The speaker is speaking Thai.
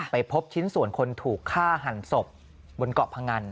ไปพบชิ้นส่วนคนถูกฆ่าหันศพบนเกาะพงัน